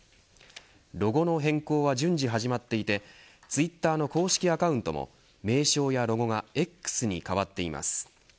ロゴの変更は順次始まっていてツイッターの公式アカウントも名称やロゴがＸに変わっています。